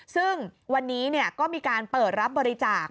ซึ่งวันนี้ก็มีการเปิดรับบริจาค